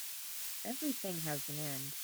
Everything has an end.